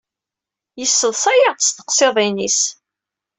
Yessaḍsay-aɣ s teqsiḍin-is.